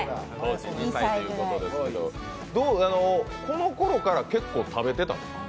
このころから結構食べてたんですか？